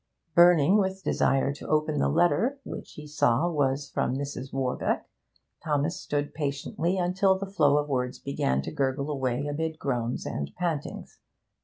Burning with desire to open the letter, which he saw was from Mrs. Warbeck, Thomas stood patiently until the flow of words began to gurgle away amid groans and pantings.